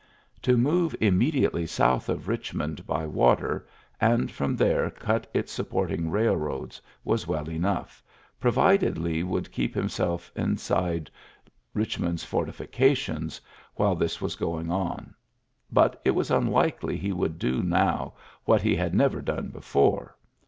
To move Immediately south of Eich mond by water and from there cut its supporting railroads was well enough, provided Lee would keep himself inside Bichmond's fortifications while this was going on. But it was unlikely he would do now what he had never done before.